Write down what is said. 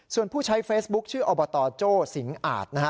ส่วนผู้ใช้เฟซบุ๊คชื่ออบตโจ้สิงอาจนะฮะ